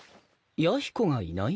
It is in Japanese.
弥彦がいない？